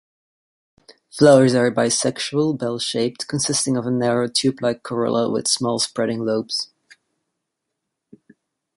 Flowers are bisexual, bell-shaped, consisting of a narrow tube-like corolla with small spreading lobes.